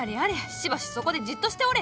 しばしそこでじっとしておれ！